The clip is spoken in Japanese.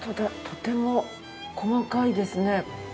とても細かいですね。